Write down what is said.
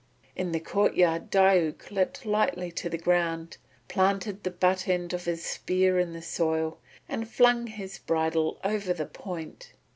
In the courtyard Diuk leapt lightly to the ground, planted the butt end of his spear in the soil, and flung his bridle over the point.